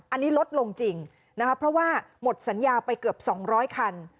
อันนี้ลดลงจริงนะคะเพราะว่าหมดสัญญาไปเกือบ๒๐๐คัน